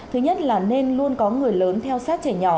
thứ nhất là nên luôn có người lớn theo sát trẻ nhỏ